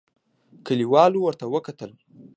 کليوالو ورته وکتل.